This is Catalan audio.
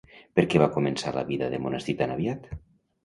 Per què va començar la vida de monestir tan aviat?